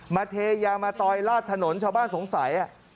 เทยางมาตอยลาดถนนชาวบ้านสงสัย